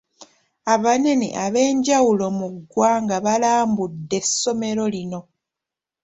Abanene ab'enjawulo mu ggwanga baalambudde essomero lino.